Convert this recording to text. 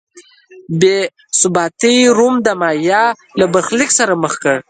بې ثباتۍ روم د مایا له برخلیک سره مخ کړ.